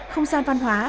không gian văn hóa